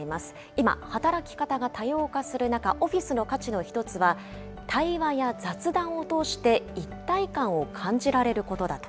今、働き方が多様化する中、オフィスの価値の１つは、対話や雑談を通して一体感を感じられることだと。